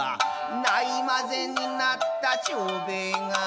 「ないまぜになった長兵衛が」